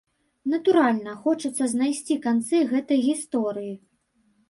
Натуральна, хочацца знайсці канцы гэтай гісторыі.